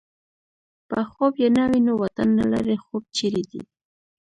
په خوب يې نه وینو وطن نه لرې خوب چېرې دی